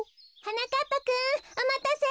なかっぱくんおまたせ。